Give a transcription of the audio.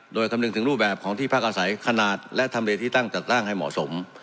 โดยคำนึงถึงรูปแบบของที่พักอาศัยขนาดและทำเลที่ตั้งจัดตั้งให้เหมาะสม